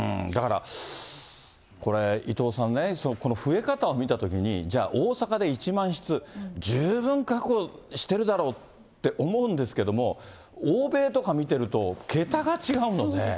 だから、これ、伊藤さん、増え方を見たときに、じゃあ大阪で１万室、十分確保してるだろうって思うんですけれども、欧米とか見てると、桁が違うので。